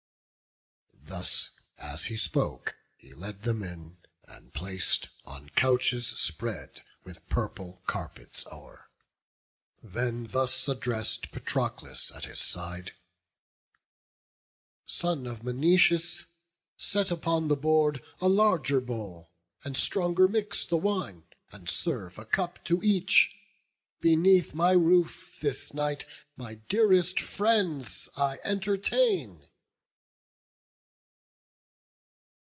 Thus as he spoke, he led them in, and plac'd On couches spread with, purple carpets o'er, Then thus address'd Patroclus at his side: "Son of Menoetius, set upon the board A larger bowl, and stronger mix the wine, And serve a cup to each: beneath my roof This night my dearest friends I entertain."